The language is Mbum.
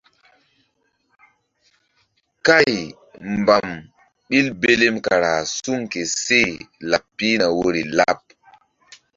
Kay mbam ɓil belem kara suŋ ke seh laɓ pihna woyri laɓ.